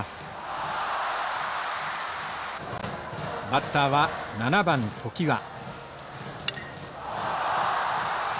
バッターは７番常盤。